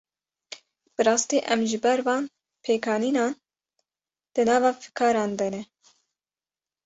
Bi rastî em ji ber van pêkanînan, di nava fikaran de ne